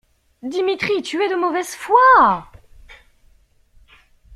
Dimitri, tu es de mauvaise foi!